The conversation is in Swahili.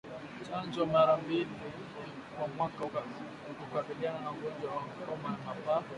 Chanjo mara mbili kwa mwaka hukabiliana na ugonjwa wa homa ya mapafu